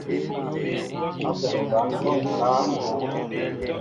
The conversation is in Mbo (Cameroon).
Áɓɔŋ ɓăn ɓɔ ŋkă a mbóʼ.